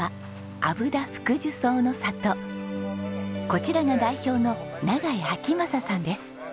こちらが代表の永井昭正さんです。